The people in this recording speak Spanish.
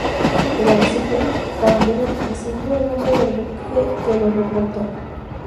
El arrecife Carondelet recibió el nombre del buque que lo reportó.